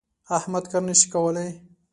احمد کار نه شي کولای.